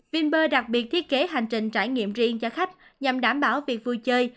vinber đặc biệt thiết kế hành trình trải nghiệm riêng cho khách nhằm đảm bảo việc vui chơi